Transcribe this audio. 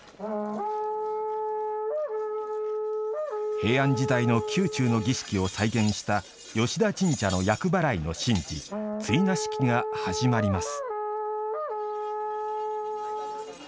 平安時代の宮中の儀式を再現した吉田神社の厄払いの神事追儺式が始まります。